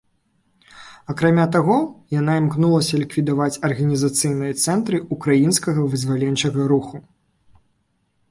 Акрамя таго, яна імкнулася ліквідаваць арганізацыйныя цэнтры ўкраінскага вызваленчага руху.